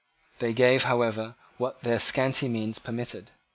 They gave, however, what their scanty means permitted.